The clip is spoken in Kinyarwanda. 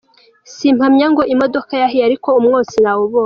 Simpamya ngo imodoka yahiye ariko umwotsi nawubonye.